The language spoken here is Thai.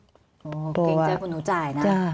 กลิ่งใจคุณหนูจ่ายนะ